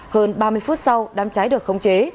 hơn ba mươi phút sau đám cháy được khống chế